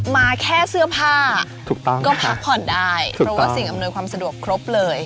มาแค่เสื้อผ้าก็พักผ่อนได้เพราะว่าสิ่งอำนวยความสะดวกครบเลย